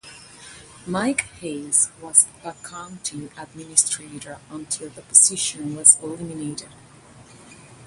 Mike Hays was the County Administrator until the position was eliminated.